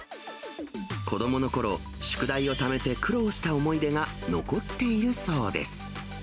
子どものころ、宿題をためて、苦労した思い出が残っているそうです。